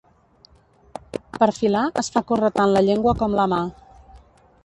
Per filar es fa córrer tant la llengua com la mà.